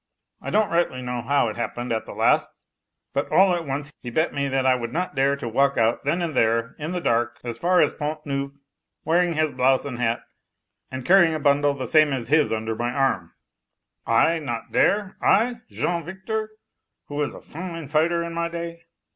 I don't rightly know how it happened at the last, but all at once he bet me that I would not dare to walk out then and there in the dark, as far as the Pont Neuf, wearing his blouse and hat and carrying a bundle the same as his under my arm. I not dare?... I, Jean Victor, who was a fine fighter in my day!